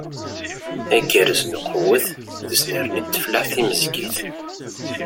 Agerrez n uqewwet d usnerni n tfellaḥt timezgit.